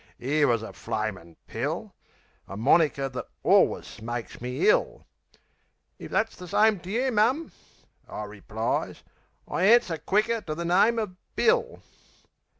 'Ere wus a flamin' pill! A moniker that alwus makes me ill. "If it's the same to you, mum," I replies "I answer quicker to the name of Bill."